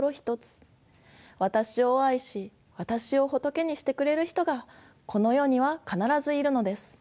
私を愛し私を仏にしてくれる人がこの世には必ずいるのです。